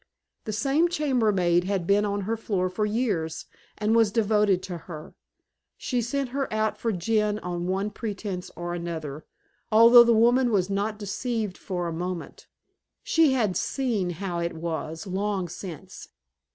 The same chambermaid had been on her floor for years, and was devoted to her. She sent her out for gin on one pretext or another, although the woman was not deceived for a moment; she had "seen how it was" long since.